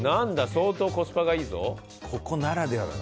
相当コスパがいいぞ。